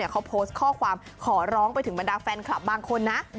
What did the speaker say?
เขาโพสต์ข้อความขอร้องไปถึงบรรดาแฟนคลับบางคนนะ